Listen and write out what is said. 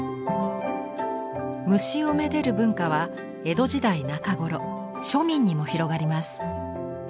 虫をめでる文化は江戸時代中頃庶民にも広がります。